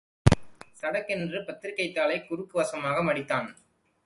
சடக்கென்று பத்திரிகைத்தாளைக் குறுக்கு வசமாக மடித்தான்.